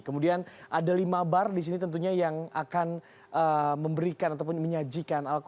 kemudian ada lima bar di sini tentunya yang akan memberikan ataupun menyajikan al quran